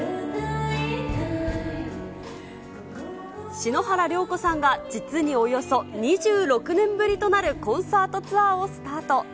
篠原涼子さんが実におよそ２６年ぶりとなるコンサートツアーをスタート。